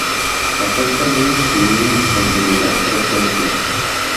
Afecta a niños y niñas con similar frecuencia.